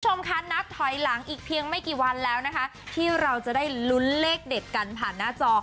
คุณผู้ชมคะนับถอยหลังอีกเพียงไม่กี่วันแล้วนะคะที่เราจะได้ลุ้นเลขเด็ดกันผ่านหน้าจอ